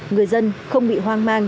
người dân không bị hoang mang